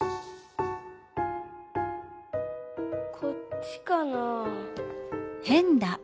こっちかなあ？